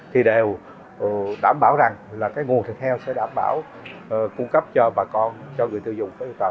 thì đều đảm bảo rằng nguồn thịt heo sẽ đảm bảo cung cấp cho bà con cho người tiêu dùng